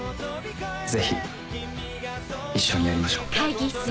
ぜひ一緒にやりましょう。